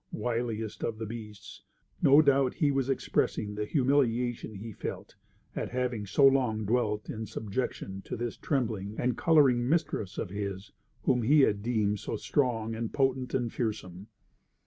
Wiliest of the beasts, no doubt he was expressing the humiliation he felt at having so long dwelt in subjection to this trembling and colouring mistress of his whom he had deemed so strong and potent and fearsome.